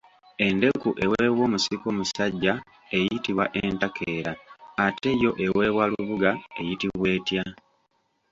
Endeku eweebwa omusika omusajja eyitibwa entakeera ate yo eweebwa lubuga eyitibwa etya?